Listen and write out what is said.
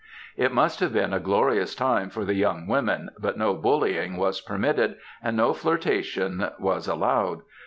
It must have been a glorious time for the young women, but no bullying was permitted, and no flirtation was allowed.